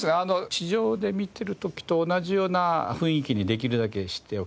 地上で見てる時と同じような雰囲気にできるだけしておきたい。